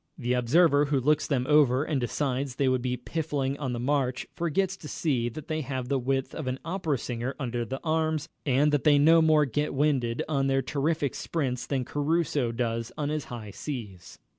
The observer who looks them over and decides they would be piffling on the march, forgets to see that they have the width of an opera singer under the arms, and that they no more get winded on their terrific sprints than Caruso does on his high C's.